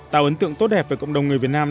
tạo ấn tượng tốt đẹp về cộng đồng người việt nam